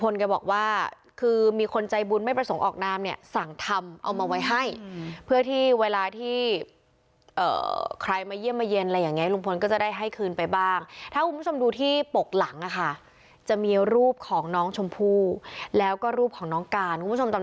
ที่ปกหลังอ่ะค่ะจะมีรูปของน้องชมพู่แล้วก็รูปของน้องการ